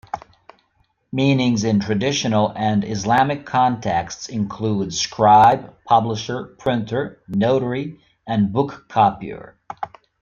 Meanings in traditional and Islamic contexts include "scribe", "publisher", "printer", "notary" and "book-copier".